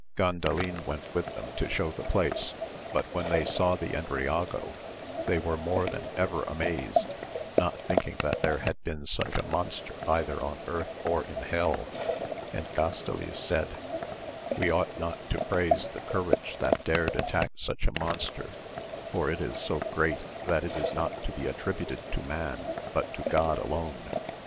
Gandalin went with them to show the place^ but when they saw the Endriago they were more than ever amazed, not thinking that there had been such a monster either on earth or in hell, and Gastiles said, "We ought not to praise the courage that dared attack such a monster, for it is so great that it is not to be attributed to man but to God alone.